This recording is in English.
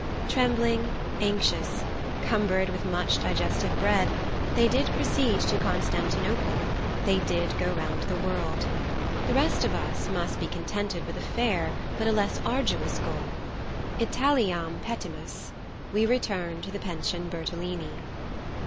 Trembling, anxious, cumbered with much digestive bread, they did proceed to Constantinople, they did go round the world. The rest of us must be contented with a fair, but a less arduous, goal. Italiam petimus: we return to the Pension Bertolini.